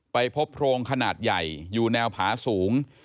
ไปพบโพรงขนาดใหญ่อยู่แนวผาสูง